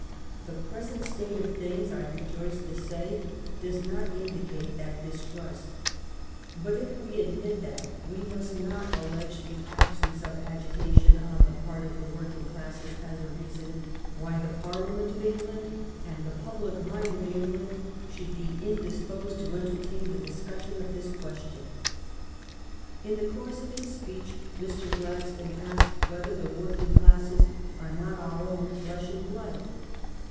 The present state of things, I rejoice to say, does not indicate that dis trust ; but, if we admit that, we must not allege the absence of agitation on the part of the working classes as a reason why the Parliament of England GLADSTONE SUPPORTS POPULAR SUFFRAGE 249 and the public mind of England should be indis posed to entertain the discussion of this question." In the course of his speech Mr. Gladstone asked whether the working classes "are not our own flesh and blood